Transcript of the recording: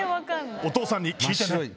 お父さんに聞いてね！